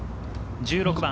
１６番。